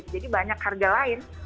jadi banyak harga lain